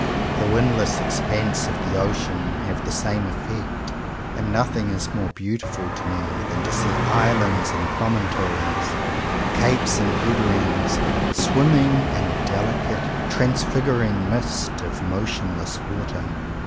The windless expanses of the ocean have the same effect; and nothing is more beautiful to me than to see islands and promontories, capes and headlands, swim ming in a delicate, transfiguring mist of motionless water.